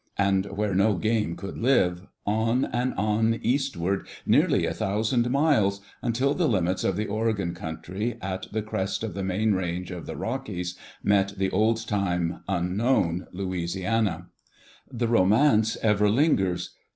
'^. /and where no game could live, on a'rf^ipn^^stwai'd hearly a thou sand miles until the limits of\t}x&{Ot^on country, at the crest of the main range^qf, ihe: Rtjcldes, met the old time, unknown Louisiana; ^/: *0 ^'•^''^ The romance ever lingers.